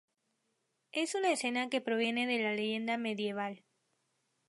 Es una escena que proviene de la leyenda medieval.